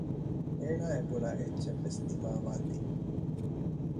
އޭނާ އެބުނާ އެއްޗެއް ވެސް ދިމާވާ ތީ